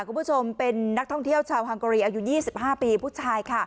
คุณผู้ชมเป็นนักท่องเที่ยวชาวฮังกอีอายุ๒๕ปีผู้ชายค่ะ